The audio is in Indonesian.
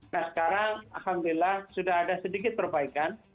nah sekarang alhamdulillah sudah ada sedikit perbaikan